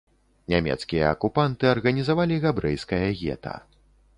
Нямецкія акупанты арганізавалі габрэйскае гета.